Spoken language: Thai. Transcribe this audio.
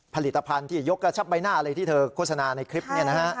ผลิตภัณฑ์ที่ยกกระชับใบหน้าอะไรที่เธอโฆษณาในคลิปนี้นะฮะ